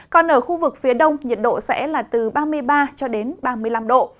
còn ở khu vực phía đông nhiệt độ sẽ là từ ba mươi ba cho đến ba mươi năm độ